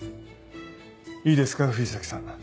いいですか藤崎さん。